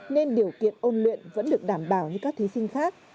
nên điều kiện ôn luyện vẫn được đảm bảo như các thí sinh khác